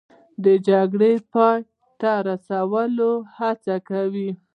د جګړې د پای ته رسولو هڅه کوي